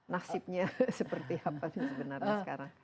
nasibnya seperti apa sih sebenarnya sekarang